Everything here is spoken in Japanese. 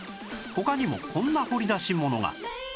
他にもこんな掘り出し物が